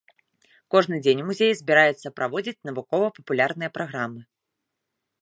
Кожны дзень у музеі збіраюцца праводзіць навукова-папулярныя праграмы.